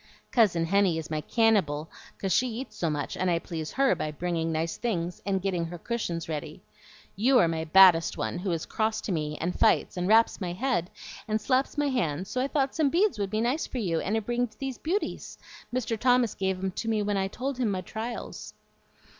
Cousin Henny is my cannybel, 'cause she eats so much, and I please HER by bringing nice things and getting her cushions ready. You are my baddest one, who is cross to me, and fights, and raps my head, and slaps my hands; so I thought some beads would be nice for you, and I bringed these beauties. Mr. Thomas gave 'em to me when I told him my trials."